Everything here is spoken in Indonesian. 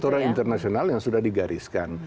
secara internasional yang sudah digariskan